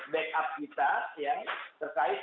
backup kita yang terkait